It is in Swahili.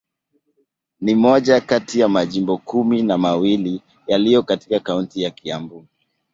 Ni moja kati ya majimbo kumi na mawili yaliyo katika kaunti ya Kiambu.